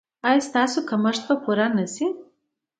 ایا ستاسو کمښت به پوره نه شي؟